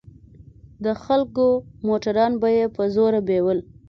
د خلکو موټران به يې په زوره بيول.